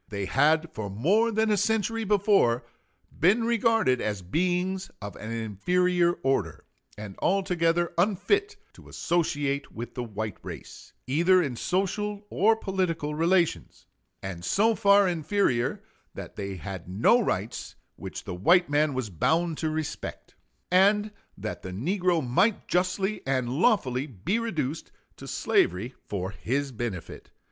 They had for more than a century before been regarded as beings of an inferior order, and altogether unfit to associate with the white race, either in social or political relations; and so far inferior, that they had no rights which the white man was bound to respect; and that the negro might justly and lawfully be reduced to slavery for his benefit.